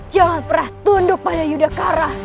jangan pernah tunduk pada yudhacara